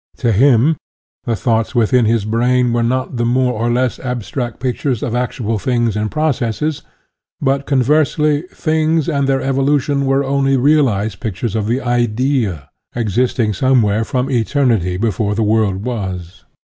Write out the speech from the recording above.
To him the thoughts within his brain were not the more or less abstract pictures of actual things and processes, but, conversely, things and their evolution were only the realized pictures of the " Idea," existing somewhere from eternity before the world was.